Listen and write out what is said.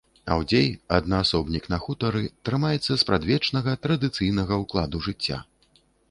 Аўдзей, аднаасобнік на хутары, трымаецца спрадвечнага, традыцыйнага ўкладу жыцця.